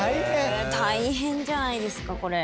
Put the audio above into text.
大変じゃないですかこれ。